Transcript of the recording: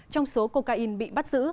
trong số cocaine bị bắt giữ